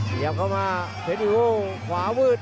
สะยามเข้ามาเทนิโวขวาเวิร์ด